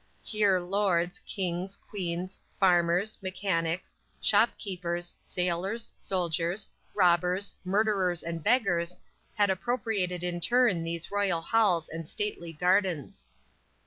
Here lords, kings, queens, farmers, mechanics, shop keepers, sailors, soldiers, robbers, murderers and beggars had appropriated in turn these royal halls and stately gardens.